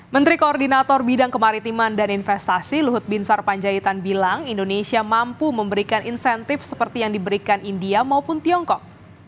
menteri koordinator bidang kemaritiman dan investasi luhut binsar panjaitan bilang indonesia mampu memberikan insentif seperti yang diberikan india maupun tiongkok